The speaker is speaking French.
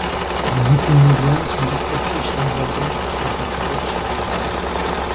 Les épines médianes sont dispersées chez les adultes, et régulières chez les jeunes.